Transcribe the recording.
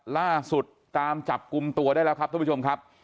ล่าสุดตามจับกลุ่มตัวได้แล้วครับท่านผู้ชมครับ